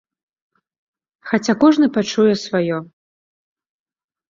Хаця кожны пачуе сваё.